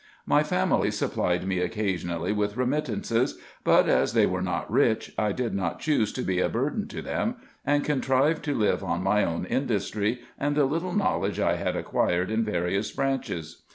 My family supplied me occasionally with remit tances ; but as they were not rich, I did not choose to be a burthen to them, and contrived to live on my own industry, and the little knowledge I had acquired in various branches.